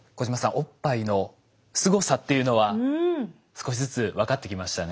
おっぱいのすごさっていうのは少しずつ分かってきましたね。